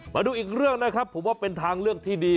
มาดูอีกเรื่องนะครับผมว่าเป็นทางเลือกที่ดี